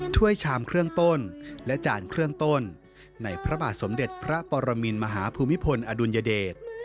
ท่วิทยาลัยสมศักดิ์พระบาทสมเด็จพระปรมินมหาภูมิพลอดุลยเดช